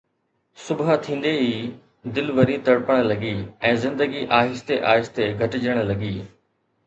صبح ٿيندي ئي دل وري تڙپڻ لڳي، ۽ زندگي آهستي آهستي گهٽجڻ لڳي